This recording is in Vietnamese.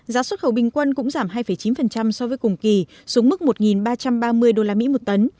giá xuất khẩu bình quân cũng giảm hai chín so với cùng kỳ xuống mức một ba trăm ba mươi usd một tấn